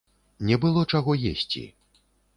Не было чаго есці.